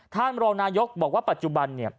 ท่านรองนายกรบอกว่าปัจจุบัน